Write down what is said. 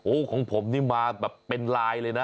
โอ้โหของผมนี่มาแบบเป็นลายเลยนะ